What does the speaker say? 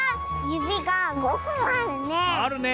ゆびが５ほんあるね。